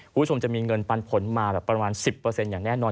คุณผู้ชมจะมีเงินปันผลมาแบบประมาณ๑๐อย่างแน่นอน